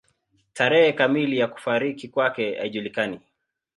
Tarehe kamili ya kufariki kwake haijulikani.